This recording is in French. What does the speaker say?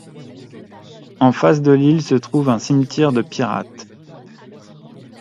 En face de l'île se trouve un cimetière de pirates.